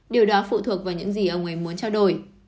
điều đó phụ thuộc vào những gì ông ấy muốn trao đổi